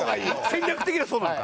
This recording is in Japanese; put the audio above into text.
戦略的にはそうなのか。